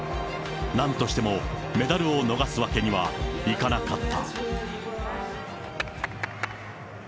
なんとしてもメダルを逃すわけにはいかなかった。